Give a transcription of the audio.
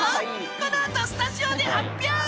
このあとスタジオで発表！